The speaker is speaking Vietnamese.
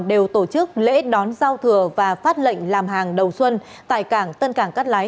đều tổ chức lễ đón giao thừa và phát lệnh làm hàng đầu xuân tại cảng tân cảng cát lái